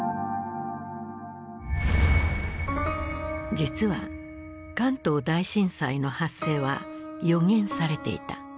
実は関東大震災の発生は予言されていた。